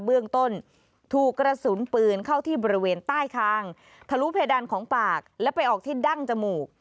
เบื้องต้นถูกกระสุนปืนเข้าที่บริเวณใต้คางทะลุเพดานของปากและไปออกที่ดั้งจมูก